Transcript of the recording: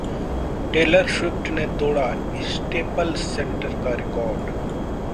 Taylor Swift ने तोड़ा Staples Center का रिकॉर्ड